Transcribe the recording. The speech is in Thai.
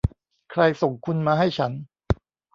ใครส่งคุณมาให้ฉัน